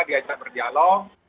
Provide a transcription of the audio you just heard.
kita bisa berdialog